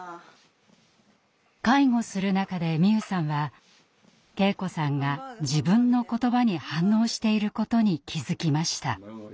介護する中で美夢さんは圭子さんが自分の言葉に反応していることに気付きました。